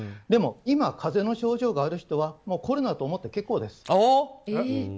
でも今、風邪の症状がある人はコロナと思って結構です。